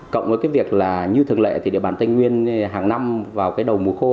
cộng với cái việc là như thường lệ thì để bán tên nguyên hàng năm vào cái đầu mùa khô